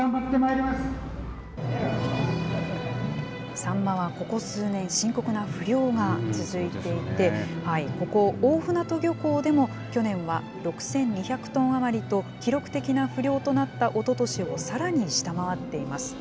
サンマはここ数年、深刻な不漁が続いていて、ここ、大船渡漁港でも去年は６２００トン余りと、記録的な不漁となったおととしをさらに下回っています。